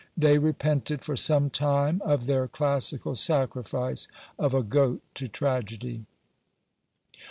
They repented for some time of their classical sacrifice of a goat to Tragedy.